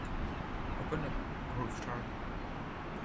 Open up Groove Shark.